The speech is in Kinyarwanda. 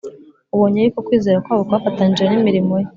ubonye yuko kwizera kwafatanije n’imirimo ye,